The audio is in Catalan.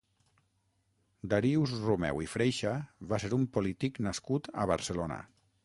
Darius Rumeu i Freixa va ser un polític nascut a Barcelona.